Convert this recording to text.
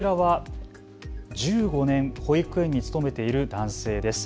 こちらは１５年、保育園に勤めている男性です。